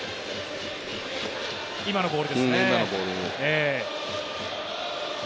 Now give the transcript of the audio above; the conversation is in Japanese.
今のボールですね。